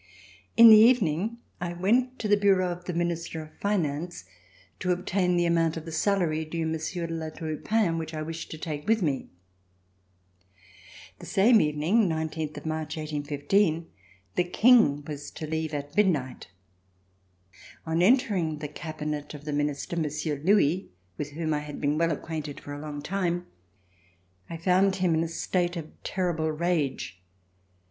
In the evening, I went to the bureau of the Minister of Finance to obtain the amount of the salary due Monsieur de La Tour du Pin, which I wished to take with me. The same evening, 19 March, 1815, the King was to leave at midnight. On entering the cabinet of the Minister, Monsieur Louis, with whom I had been well acquainted for a long time, I found him in a state of terrible rage.